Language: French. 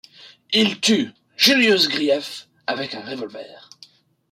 Il tue Julius Grief avec un revolver.